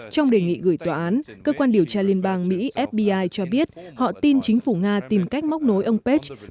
trong đề nghị gửi tòa án cơ quan điều tra liên bang mỹ fbi cho biết họ tin chính phủ nga tìm cách móc nối ông pech